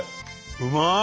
うまい！